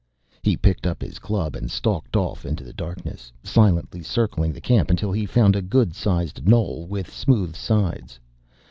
He picked up his club and stalked off into the darkness, silently circling the camp until he found a good sized knoll with smooth sides.